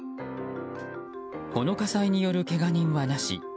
この火災によるけが人はなし。